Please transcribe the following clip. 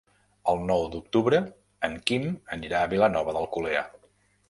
El nou d'octubre en Quim anirà a Vilanova d'Alcolea.